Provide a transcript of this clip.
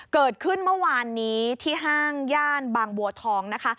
เกิดขึ้นเมื่อวานนี้ที่ห้างย่านบางบัวทองนะคะ